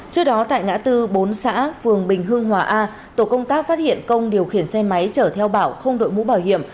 trước đó tại ngã tư bốn xã phường bình hương hòa a tổ công tác phát hiện công điều khiển xe máy chở theo bảo không đội mũ bảo hiểm